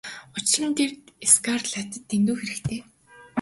Учир нь тэр Скарлеттад дэндүү хэрэгтэй.